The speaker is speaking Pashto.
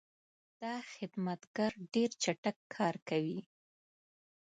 دا خدمتګر ډېر چټک کار کوي.